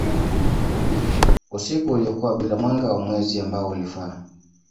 usiku uliokuwa bila mwanga wa mwezi ambao ulifaa